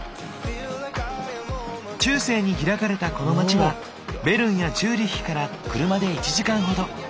中世に開かれたこの街はベルンやチューリッヒから車で１時間ほど。